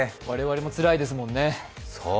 我々もつらいですもんね。